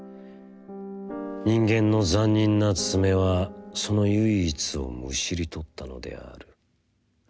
人間の残忍な爪はその唯一をむしりとったのである。